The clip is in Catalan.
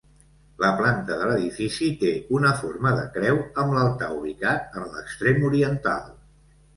La planta de l'edifici té una forma de creu, amb l'altar ubicat en l'extrem oriental.